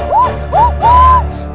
jangan makan nek